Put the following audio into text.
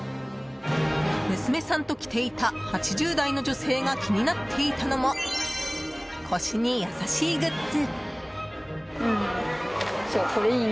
娘さんと来ていた８０代の女性が気になっていたのも腰に優しいグッズ。